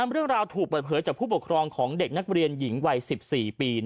เรื่องราวถูกเปิดเผยจากผู้ปกครองของเด็กนักเรียนหญิงวัย๑๔ปี